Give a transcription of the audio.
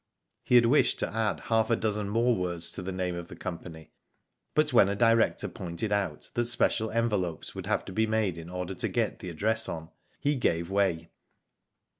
He had wished to add half a dozen more words to the name of the company, but when a director pointed out that special envelopes would have to be made in order to get the address on, he gave way.